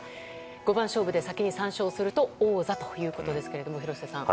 五番勝負で先に３勝すると王座ということですが、廣瀬さん。